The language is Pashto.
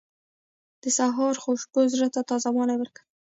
• د سهار خوشبو زړه ته تازهوالی ورکوي.